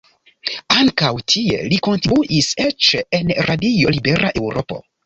Ankaŭ tie li kontribuis, eĉ en Radio Libera Eŭropo.